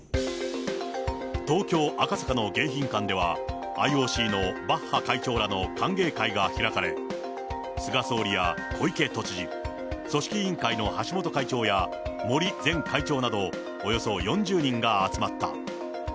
東京・赤坂の迎賓館では、ＩＯＣのバッハ会長らの歓迎会が開かれ、菅総理や小池都知事、組織委員会の橋本会長や森前会長などおよそ４０人が集まった。